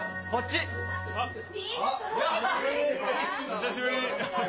久しぶり。